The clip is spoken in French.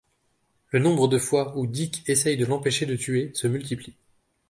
Le nombre de fois où Dick essaye de l'empêcher de tuer se multiplient.